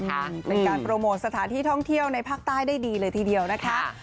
เป็นการโปรโมทสถานที่ท่องเที่ยวในภาคใต้ได้ดีเลยทีเดียวนะคะ